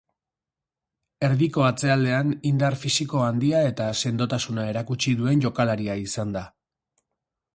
Erdiko atzealdean indar fisiko handia eta sendotasuna erakutsi duen jokalaria izan da.